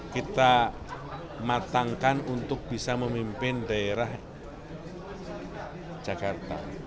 kita matangkan untuk bisa memimpin daerah jakarta